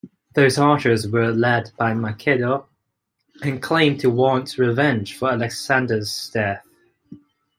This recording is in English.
Those archers were led by Macedo and claimed to want revenge for Alexander's death.